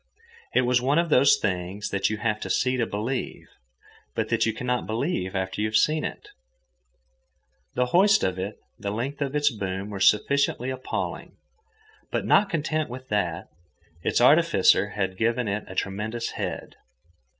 It was one of those things, not that you have to see to believe, but that you cannot believe after you have seen it. The hoist of it and the length of its boom were sufficiently appalling; but, not content with that, its artificer had given it a tremendous head.